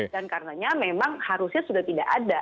dan karena memang harusnya sudah tidak ada